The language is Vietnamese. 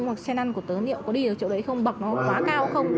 hoặc xe lăn của tớ đi được chỗ đấy không bậc nó quá cao không